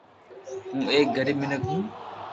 ھون ايڪ غريب مينک ھون